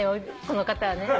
この方はね。